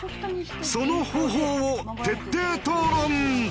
その方法を徹底討論！